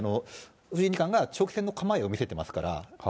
藤井二冠が長期戦の構えを見せていますから。